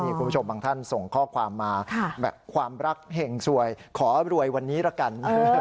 คุณผู้ชมบางท่านส่งข้อความมาแบบความรักแห่งสวยขอรวยวันนี้ละกัน